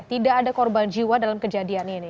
tidak ada korban jiwa dalam kejadian ini